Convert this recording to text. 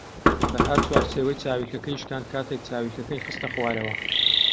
فەرھاد چوارچێوەی چاویلکەکەی شکاند کاتێک چاویلکەکەی خستە خوارەوە.